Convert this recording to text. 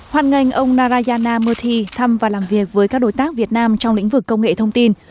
hoàn ngành ông narayana murthy thăm và làm việc với các đối tác việt nam trong lĩnh vực công nghệ thông tin